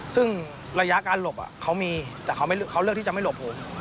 ซึ่งระยะการหลบเขามีแต่เขาเลือกที่จะไม่หลบผม